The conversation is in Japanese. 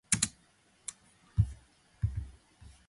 山手線、高田馬場駅